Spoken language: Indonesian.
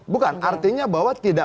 bukan artinya bahwa tidak